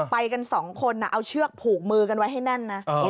ไปกันสองคนเอาเชือกผูกมือกันไว้ให้แน่นนะ